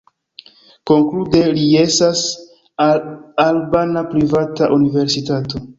Konklude, li jesas al albana privata universitato.